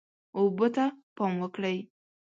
اوبه ته پام وکړئ.